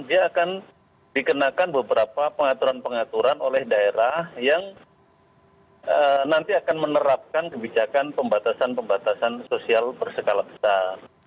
dia akan dikenakan beberapa pengaturan pengaturan oleh daerah yang nanti akan menerapkan kebijakan pembatasan pembatasan sosial berskala besar